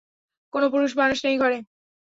কোনো পুরুষ মানুষ নেই ঘরে।